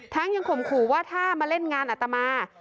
ยังข่มขู่ว่าถ้ามาเล่นงานอัตมา